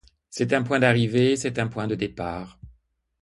C'est un point d'arrivée, c'est un point de départ.